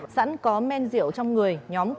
sẵn có men rượu trong người